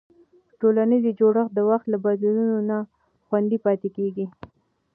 ټولنیز جوړښت د وخت له بدلونونو نه خوندي پاتې کېږي.